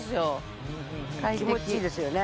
気持ちいいですよね。